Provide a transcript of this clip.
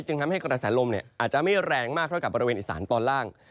จึงทำให้กระดาษแสนลมเนี่ยอาจจะไม่แรงมากเท่ากับบริเวณอีสานตอนล่าง